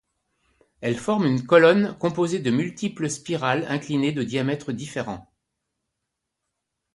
Elle forme une colonne composée de multiples spirales inclinées de diamètres différents.